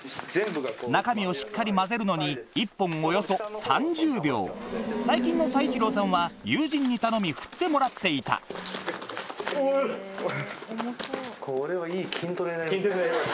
中身をしっかり混ぜるのに１本およそ３０秒最近の太一朗さんは友人に頼み振ってもらっていた筋トレになります